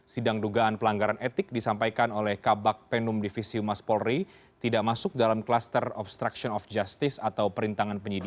sidang dugaan pelanggaran etik disampaikan oleh kabak penum divisi umas polri tidak masuk dalam kluster obstruction of justice atau perintangan penyidikan